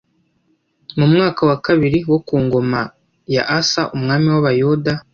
Mu mwaka wa kabiri wo ku ngoma ya Asa umwami w’Abayuda